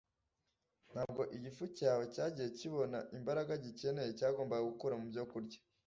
ntabwo igifu cyawe cyagiye kibona imbaraga gikeneye cyagombaga gukura mu byokurya